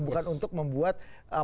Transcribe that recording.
bukan untuk membuat